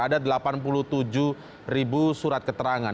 ada delapan puluh tujuh ribu surat keterangan